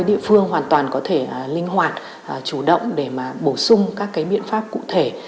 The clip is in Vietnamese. địa phương hoàn toàn có thể linh hoạt chủ động để bổ sung các biện pháp cụ thể